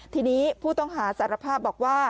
ทีนี้ผู้ต้องหาสารภาพบอกว่า